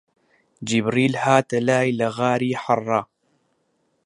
جیبریل هاتە لای لە غاری حەرا